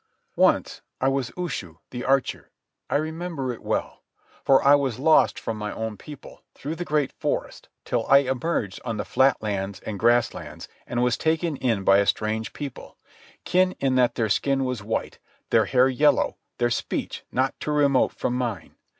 Once I was Ushu, the archer. I remember it well. For I was lost from my own people, through the great forest, till I emerged on the flat lands and grass lands, and was taken in by a strange people, kin in that their skin was white, their hair yellow, their speech not too remote from mine.